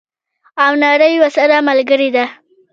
او نړۍ ورسره ملګرې ده.